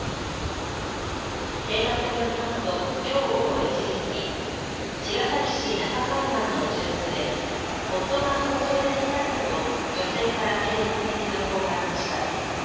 警察によりますときょう午後１時過ぎ、茅ヶ崎市中海岸の住宅で夫が包丁で刺されたと女性から警察に通報がありました。